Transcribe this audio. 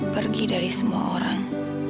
pergi dari semua orang